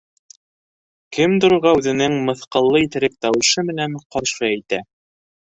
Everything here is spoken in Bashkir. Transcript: Кемдер уға үҙенең мыҫҡыллы иҫерек тауышы менән ҡаршы әйтә: